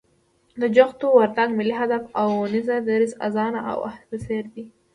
د جغتو، وردگ، ملي هدف اونيزه، دريځ، آذان او عهد په څېر